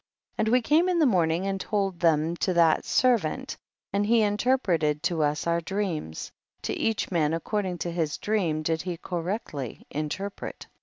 35. And we came in the morning and told thein to that servant, and he interpreted to us our dreams, to each man according to his dream, did he correctly interpret.